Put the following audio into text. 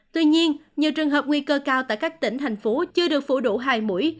tuy nhiên nhiều trường hợp nguy cơ cao tại các tỉnh thành phố chưa được phủ đủ hai mũi